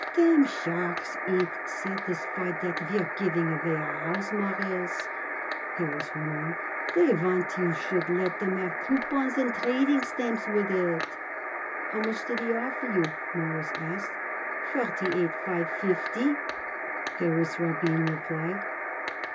"Them sharks ain't satisfied that you're giving away a house, Mawruss," Harris went on. "They want it you should let 'em have coupons and trading stamps with it." "How much did he offer you?" Morris asked. "Forty eight five fifty," Harris Rabin replied.